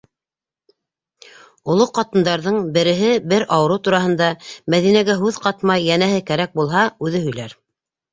Оло ҡатындарҙың береһе- бер ауырыу тураһында Мәҙинәгә һүҙ ҡатмай, йәнәһе, кәрәк булһа, үҙе һөйләр.